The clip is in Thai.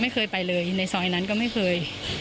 ไม่เคยไปเลยในซอยนั้นก็ไม่เคย